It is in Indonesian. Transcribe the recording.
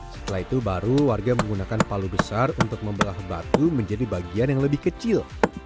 setelah itu baru warga menggunakan palu besar untuk membelah batu menjadi bagian yang lebih kecil